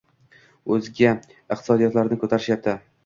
o‘zga iqtisodiyotlarni ko‘tarishyapti.